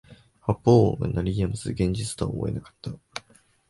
発砲音が鳴り止まず現実とは思えなかった